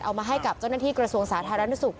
เอามาให้กับเจ้าหน้าที่กระทรวงสาธารณสุข